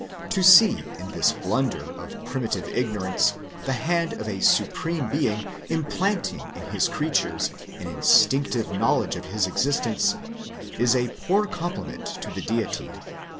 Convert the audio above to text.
To see in this blunder of primitive ignorance the hand of the Supreme Being implanting in his creatures an instinctive knowledge of his existence, is a poor compliment to the Deity.